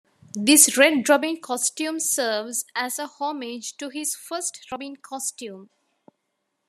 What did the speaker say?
This Red Robin costume serves as a homage to his first Robin costume.